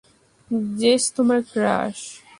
JS তোমার crush.